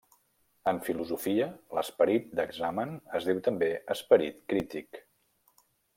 En filosofia, l'esperit d'examen es diu també esperit crític.